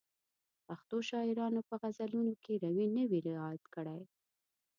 پښتو شاعرانو په غزلونو کې روي نه وي رعایت کړی.